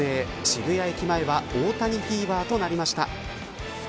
渋谷駅前は大谷フィーバーとなりました。